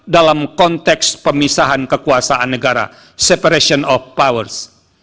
dalam konteks pemisahan kekuasaan negara separation of powers